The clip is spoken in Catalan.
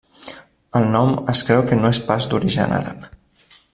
El nom es creu que no és pas d'origen àrab.